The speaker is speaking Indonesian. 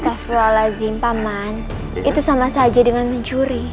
astagfirullahaladzim paman itu sama saja dengan mencuri